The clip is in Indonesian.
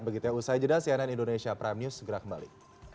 begitu ya usai jeda cnn indonesia prime news segera kembali